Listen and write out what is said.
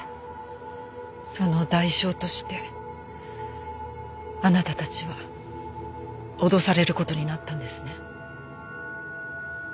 その代償としてあなたたちは脅される事になったんですね。